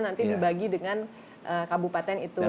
dan hasilnya nanti dibagi dengan kabupaten itu sendiri